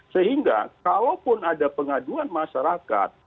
sehingga kalaupun ada pengaduan masyarakat